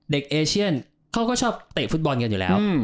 เอเชียนเขาก็ชอบเตะฟุตบอลกันอยู่แล้ว